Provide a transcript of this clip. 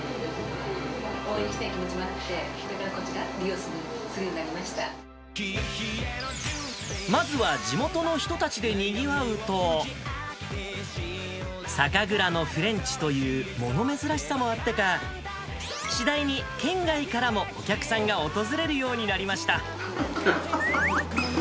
応援したい気持ちもあって、まずは地元の人たちでにぎわうと、酒蔵のフレンチというもの珍しさもあってか、次第に県外からもお客さんが訪れるようになりました。